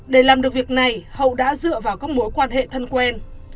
để làm được việc này hậu đã dựa vào các mối quan hệ thân quen